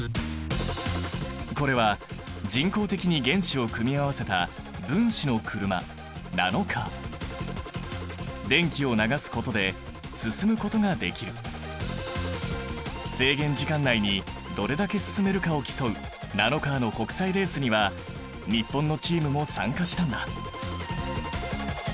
これは人工的に原子を組み合わせた分子の車制限時間内にどれだけ進めるかを競うナノカーの国際レースには日本のチームも参加したんだ。